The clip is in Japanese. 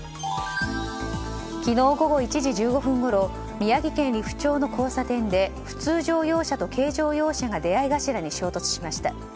昨日午後１時１５分ごろ宮城県利府町の交差点で普通乗用車と軽乗用車が出合い頭に衝突しました。